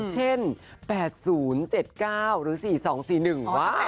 เช่น๘๐๗๙หรือ๔๒๔๑ว้าย